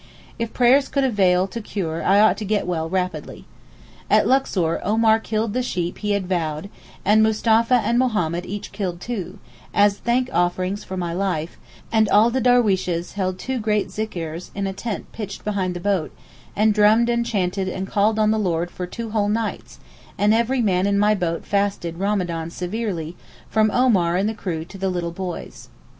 If prayers could avail to cure I ought to get well rapidly. At Luxor Omar killed the sheep he had vowed, and Mustapha and Mohammed each killed two, as thank offerings for my life, and all the derweeshes held two great Zikrs in a tent pitched behind the boat, and drummed and chanted and called on the Lord for two whole nights; and every man in my boat fasted Ramadan severely, from Omar and the crew to the little boys.